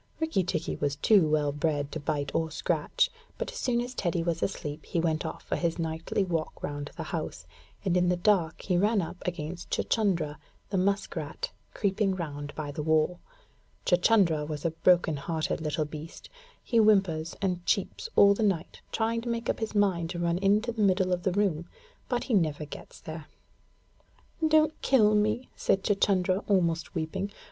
Rikki tikki was too well bred to bite or scratch, but as soon as Teddy was asleep he went off for his nightly walk round the house, and in the dark he ran up against Chuchundra, the musk rat, creeping round by the wall. Chuchundra is a broken hearted little beast, He whimpers and cheeps all the night, trying to make up his mind to run into the middle of the room, but he never gets there. 'Don't kill me,' said Chuchundra, almost weeping.